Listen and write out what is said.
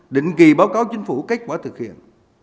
định kỳ báo cáo chính phủ kết quả thực hiện